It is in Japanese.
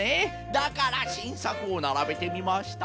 だからしんさくをならべてみました。